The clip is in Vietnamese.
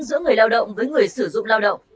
giữa người lao động với người sử dụng lao động